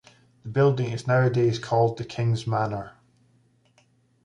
The building is nowadays called the King's Manor.